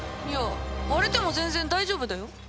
いや割れても全然大丈夫だよ！